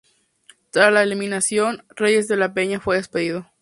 Tras las eliminación, Reyes de la Peña fue despedido.